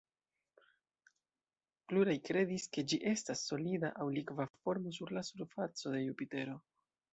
Pluraj kredis ke ĝi estas solida aŭ likva formo sur la surfaco de Jupitero.